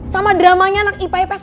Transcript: sama dramanya anak ipps